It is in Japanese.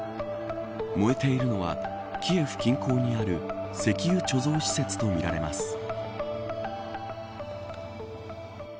燃えているのはキエフ近郊にある石油貯蔵施設とみられます。